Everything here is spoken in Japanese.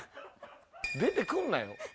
出てくんなよ。